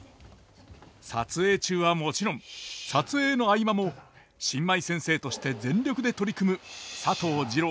撮影中はもちろん撮影の合間も新米先生として全力で取り組む佐藤二朗さんでした。